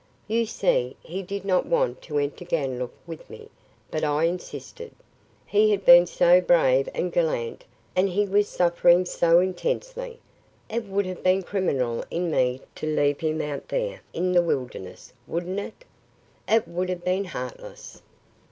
"You see, he did not want to enter Ganlook with me, but I insisted. He had been so brave and gallant, and he was suffering so intensely. It would have been criminal in me to leave him out there in the wilderness, wouldn't it?" "It would have been heartless."